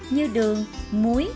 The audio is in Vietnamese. như đường muối